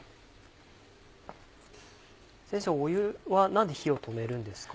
先生湯は何で火を止めるんですか？